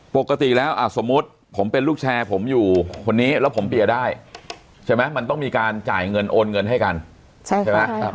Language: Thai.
ปกติแล้วสมมุติผมเป็นลูกแชร์ผมอยู่คนนี้แล้วผมเปียร์ได้ใช่ไหมมันต้องมีการจ่ายเงินโอนเงินให้กันใช่ไหม